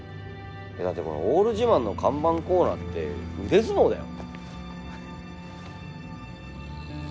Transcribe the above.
だってほら「オール自慢」の看板コーナーって腕相撲だよ。